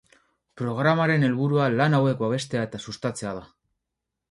Programaren helburua lan hauek babestea eta sustatzea da.